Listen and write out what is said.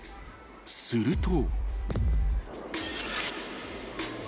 ［すると］